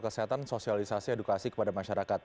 kesehatan sosialisasi edukasi kepada masyarakat